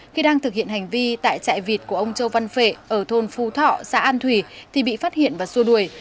khi đang thực hiện hành vi tại chạy vịt của ông châu văn phệ ở thôn phu thọ xã an thủy thì bị phát hiện và xua đuổi